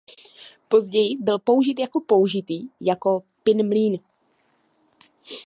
Později byl použit jako použitý jako pin mlýn.